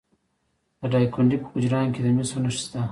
د دایکنډي په کجران کې د مسو نښې شته.